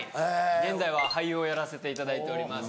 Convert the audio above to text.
現在は俳優をやらせていただいております。